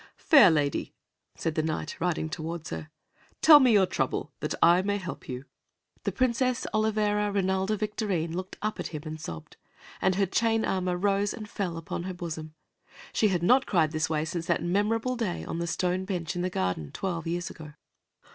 "Fair lady," said the Knight, riding toward her, "tell me your trouble, that I may help you." The Princess Olivera Rinalda Victorine looked up at him and sobbed, and her chain armor rose and fell upon her bosom. She had not cried this way since that memorable day on the stone bench in the garden, twelve years ago.